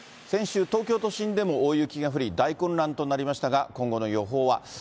先週、東京都心でも大雪が降り、大混乱となりましたが、今後の予報は。